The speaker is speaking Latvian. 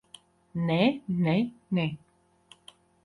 Nē, nē, nē!